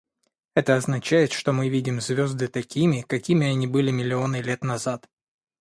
Это означает, что мы видим звезды такими, какими они были миллионы лет назад.